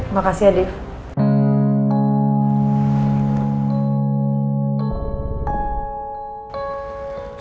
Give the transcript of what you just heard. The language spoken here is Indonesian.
makasih ya dave